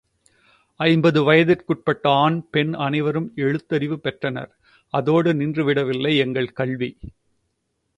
ஐம்பது வயதிற்குட்பட்ட ஆண் பெண் அனைவரும் எழுத்தறிவு பெற்றனர் அதோடு நின்று விடவில்லை, எங்கள் கல்வி வளர்ச்சி.